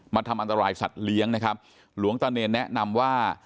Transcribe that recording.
ทำอันตรายสัตว์เลี้ยงนะครับหลวงตาเนรแนะนำว่า